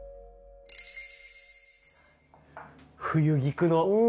冬菊の。